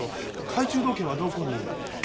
懐中時計はどこに？